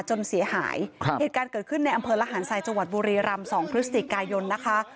จนเสียหายครับเหตุการณ์เกิดขึ้นในอำเภอระหารทรายจังหวัดบุรีรำสองพฤศจิกายนนะคะ